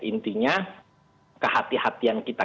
intinya kehatian kehatian kita